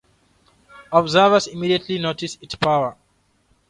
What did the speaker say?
Observers immediately noticed its power.